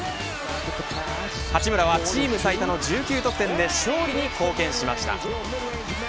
八村はチーム最多の１９得点で勝利に貢献しました。